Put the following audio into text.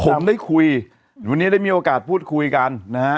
ผมได้คุยวันนี้ได้มีโอกาสพูดคุยกันนะฮะ